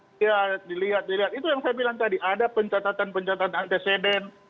ya dilihat dilihat itu yang saya bilang tadi ada pencatatan pencatatan antiseden